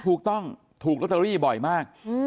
ถูกต้องถูกลอตเตอรี่บ่อยมาก